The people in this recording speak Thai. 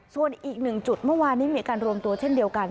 ส่วนอีกหนึ่งจุดเมื่อวานนี้มีการรวมตัวเช่นเดียวกัน